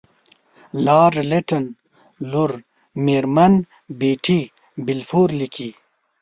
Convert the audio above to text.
لارډ لیټن لور میرمن بیټي بالفور لیکي.